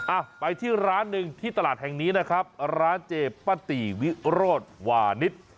อ้าไปที่ร้านหนึ่งที่ตลาดแห่งนี้ร้านเจอิ์ปัตตีวิรถว่านิศ